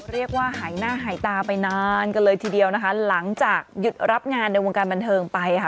เรียกว่าหายหน้าหายตาไปนานกันเลยทีเดียวนะคะหลังจากหยุดรับงานในวงการบันเทิงไปค่ะ